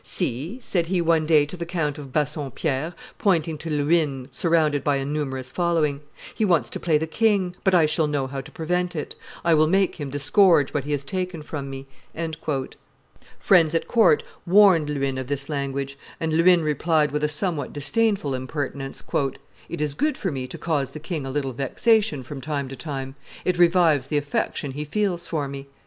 "See," said he one day to the Count of Bassompierre, pointing to Luynes surrounded by a numerous following: "he wants to play the king, but I shall know how to prevent it; I will make him disgorge what he has taken from me." Friends at court warned Luynes of this language; and Luynes replied with a somewhat disdainful impertinence, "It is good for me to cause the king a little vexation from time to time: it revives the affection he feels for me."